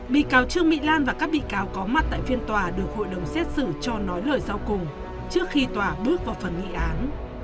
bị cáo trương mỹ lan và các bị cáo có mặt tại phiên tòa được hội đồng xét xử cho nói lời sau cùng trước khi tòa bước vào phần nghị án